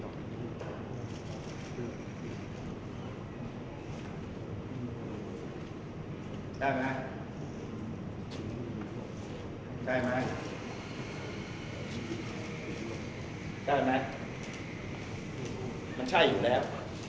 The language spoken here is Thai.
ได้ไหมได้ไหมได้ไหมมันใช่อยู่แล้ว